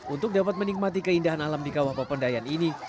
untuk dapat menikmati keindahan alam di kawah pependayan ini